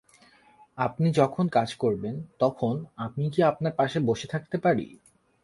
আপনি যখন কাজ করবেন তখন আমি কি আপনার পাশে বসে থাকতে পারি?